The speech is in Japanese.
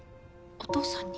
お父さんに？